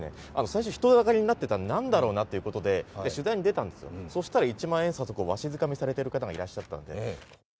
最初、人だかりになっていた何だろうと思っていたら取材に出たんですよ、そしたら一万円札わしづかみされてる方がいらっしゃって。